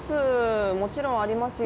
もちろんありますよ。